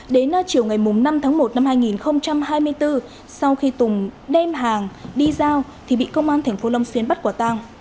đến chiều ngày năm tháng một năm hai nghìn hai mươi bốn sau khi tùng đem hàng đi giao thì bị công an tp long xuyên bắt quả tăng